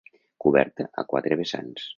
Coberta a quatre vessants.